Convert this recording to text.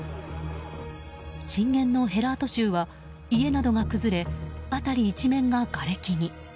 震源のヘラート州は家などが崩れ辺り一面ががれきに。